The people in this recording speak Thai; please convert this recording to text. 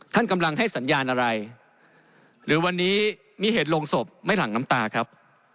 ท่านกำลังให้สัญญาณอะไรหรือวันนี้มีเหตุโรงศพไม่หลั่งน้ำตาครับ